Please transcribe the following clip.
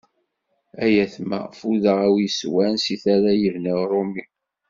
Ay atma ffudeɣ a wi yeswan si tala yebna Uṛumi.